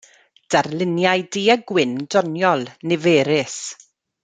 Darluniau du-a-gwyn doniol, niferus.